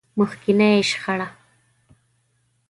مخکينۍ شخړه.